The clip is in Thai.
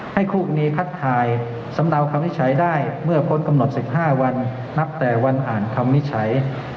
ให้คู่กรณีคัดทายสำเนาคำวิจัยได้เมื่อพ้นกำหนด๑๕วันนับแต่วันอ่านคำวิจัย